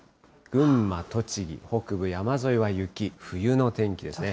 群馬、栃木、北部山沿いは雪、冬の天気ですね。